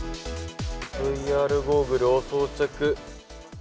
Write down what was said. ＶＲゴーグルを装着。